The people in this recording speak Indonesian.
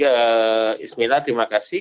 bismillah terima kasih